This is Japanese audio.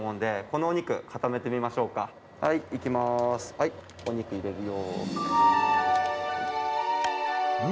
はいお肉入れるよ。